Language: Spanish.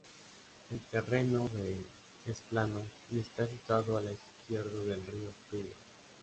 El terreno del es plano y está situado a la izquierdo del río Fluviá.